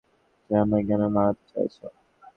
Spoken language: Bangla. সে আমায় কেন মারতে চাইছে?